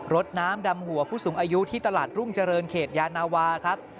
รถน้ำดำหัวผู้สูงอายุที่ตลาดรุ่งเจริญเขตยานาวาครับ